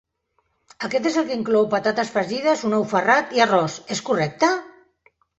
Aquest és el que inclou patates fregides, un ou ferrat i arròs, és correcte?